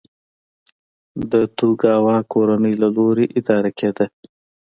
توکوګاوا کورنۍ له لوري اداره کېده.